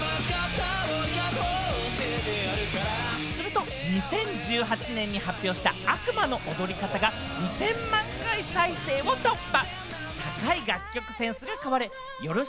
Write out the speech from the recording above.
すると２０１８年に発表した『悪魔の踊り方』が２０００万回再生を突破！